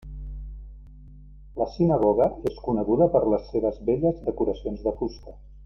La sinagoga és coneguda per les seves belles decoracions de fusta.